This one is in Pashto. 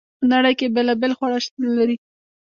په نړۍ کې بیلابیل خواړه شتون لري.